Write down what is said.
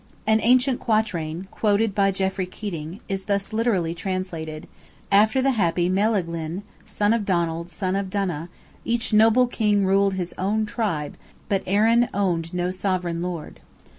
An ancient quatrain, quoted by Geoffrey Keating, is thus literally translated: "After the happy Melaghlin Son of Donald, son of Donogh, Each noble king ruled his own tribe But Erin owned no sovereign Lord."